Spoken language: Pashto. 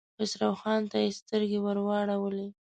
خسرو خان ته يې سترګې ور واړولې.